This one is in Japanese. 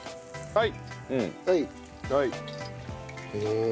はい。